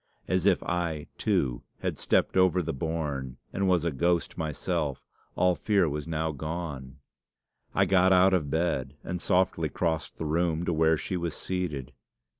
As if I, too, had stepped over the bourne, and was a ghost myself, all fear was now gone. I got out of bed, and softly crossed the room to where she was seated.